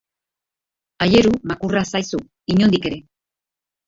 Aieru makurra zaizu, inondik ere.